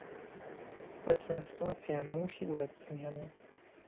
Obecna sytuacja musi ulec zmianie